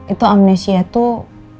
itu amnesia tuh